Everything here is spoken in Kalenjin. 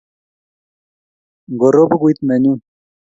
ngoro bukuit nenyun